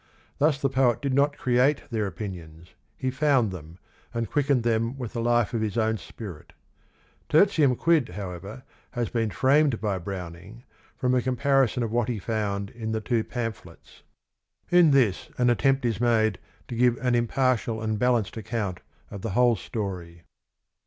Thus the poet did not create their opinions; he found them, and quickened them with the life of his own spirit. Tertium Quid, however, has been framed by Browning from a comparison of what ~he~fo~uiid~in t he^two^pamphle t s. In this an atte mpt is made to g ive an impartial And balanc£d_ai^ountjQLthe VFh©leHstery.